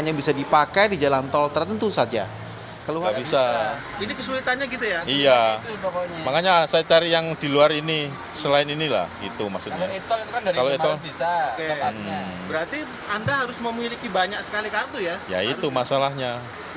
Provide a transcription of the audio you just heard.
ya itu masalahnya